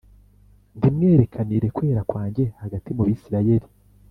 Ntimwerekanire kwera kwanjye hagati mu bisirayeli